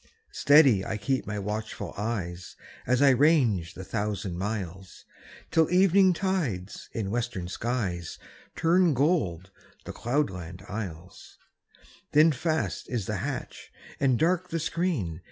Steady I keep my watchful eyes, As I range the thousand miles. Till evening tides in western skies Turn gold the cloudland isles; Then fast is the hatch and dark the screen.